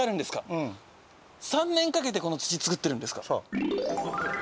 ３年かけてこの土作ってるんですか⁉そう。